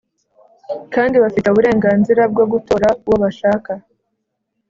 Kandi bafite uburenganzira bwo gutora uwo bashakka